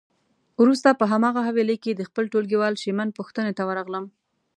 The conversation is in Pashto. وروسته په هماغه حویلی کې د خپل ټولګیوال شېمن پوښتنه ته ورغلم.